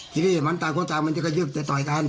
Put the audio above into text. ทีนี้มันตายคนที่จากจะยุ่งจะต่อยกัน